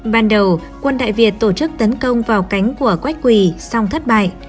ban đầu quân đại việt tổ chức tấn công vào cánh của quách quỳ song thất bại